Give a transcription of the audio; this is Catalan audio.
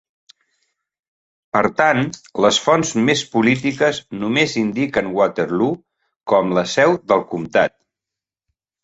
Per tant, les fonts més polítiques només indiquen Waterloo com la seu del comptat.